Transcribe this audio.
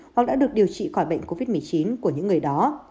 hoặc đã được điều trị khỏi bệnh covid một mươi chín của những người đó